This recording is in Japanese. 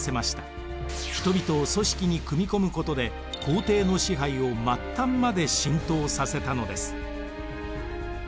人々を組織に組み込むことで皇帝の支配を末端まで浸透させたのです。